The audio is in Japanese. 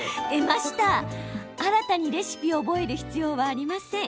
新たにレシピを覚える必要はありません。